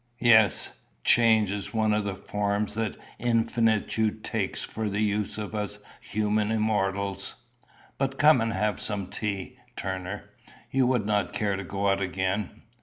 "Yes. Change is one of the forms that infinitude takes for the use of us human immortals. But come and have some tea, Turner. You will not care to go out again.